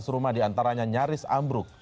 sebelas rumah di antaranya nyaris ambruk